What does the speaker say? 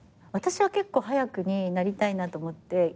私は結構早くになりたいなと思って。